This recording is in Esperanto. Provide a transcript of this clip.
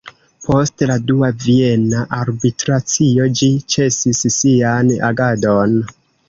Post la Dua Viena Arbitracio ĝi ĉesis sian agadon.